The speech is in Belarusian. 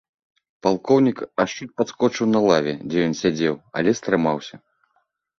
Палкоўнік аж чуць падскочыў на лаве, дзе ён сядзеў, але стрымаўся.